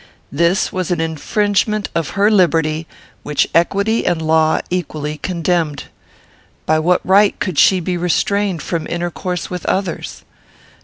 This was an infringement of her liberty which equity and law equally condemned. By what right could she be restrained from intercourse with others?